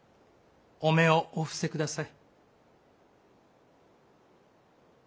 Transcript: お目をお伏せ下さい。